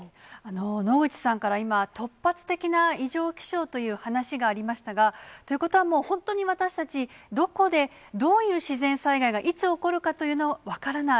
野口さんから今、突発的な異常気象という話がありましたが、ということは、もう本当に私たち、どこで、どういう自然災害が、いつ起こるかというのも分からない。